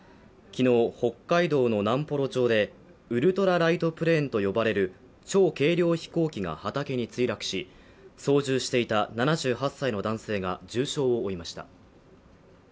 昨日、北海道の南幌町でウルトラライトプレーンと呼ばれる超軽量飛行機が畑に墜落し、操縦していた７８歳の男性が重傷を負いました。